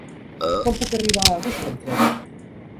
Com puc arribar a Agost amb tren?